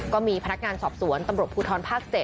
ก็มีพนักงานสอบสวนตำรวจภูทรภาค๗